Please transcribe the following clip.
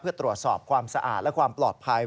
เพื่อตรวจสอบความสะอาดและความปลอดภัย